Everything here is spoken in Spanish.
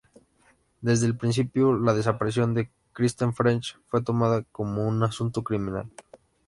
Desde el principio, la desaparición de Kristen French fue tomada como un asunto criminal.